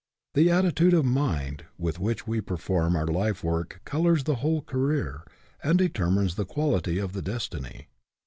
The attitude of mind with which we per form our life work colors the whole career and determines the quality of the destiny.